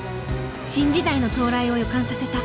新時代の到来を予感させた。